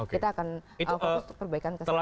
kita akan fokus perbaikan keseluruhan